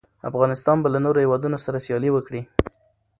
افغانستان به له نورو هېوادونو سره سیالي وکړي.